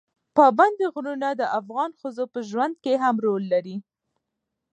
پابندي غرونه د افغان ښځو په ژوند کې هم رول لري.